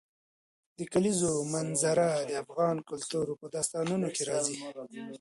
د کلیزو منظره د افغان کلتور په داستانونو کې راځي.